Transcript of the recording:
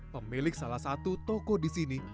pemilik salah satu toko di sini